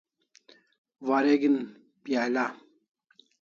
Wareg'in pial'a